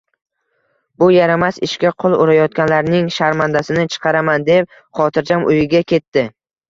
Bu yaramas ishga qo`l urayotganlarning sharmandasini chiqaraman deb xotirjam uyiga ketdi